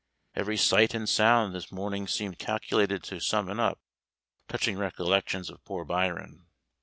Every sight and sound this morning seemed calculated to summon up touching recollections of poor Byron.